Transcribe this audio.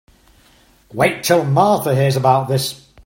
Wait till Martha hears about this.